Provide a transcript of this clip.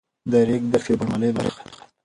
د ریګ دښتې د بڼوالۍ برخه ده.